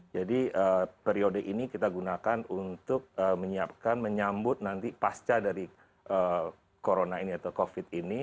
jadi periode ini kita gunakan untuk menyiapkan menyambut nanti pasca dari corona ini atau covid ini